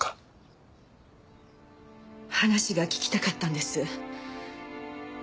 話が聞きたかったんです。